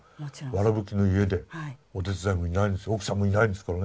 わらぶきの家でお手伝いもいないんです奥さんもいないんですからね。